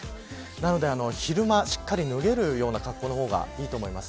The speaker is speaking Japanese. なので、昼間しっかり脱げるような格好の方がいいと思います。